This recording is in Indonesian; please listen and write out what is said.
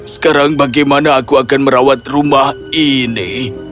sekarang bagaimana aku akan merawat rumah ini